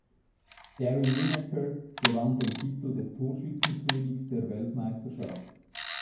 Gary Lineker gewann den Titel des Torschützenkönigs der Weltmeisterschaft.